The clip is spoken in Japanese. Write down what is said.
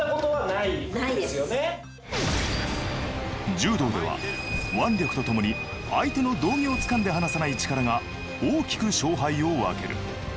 柔道では腕力とともに相手の道着をつかんで離さない力が大きく勝敗を分ける。